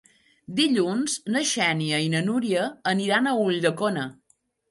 Dilluns na Xènia i na Núria aniran a Ulldecona.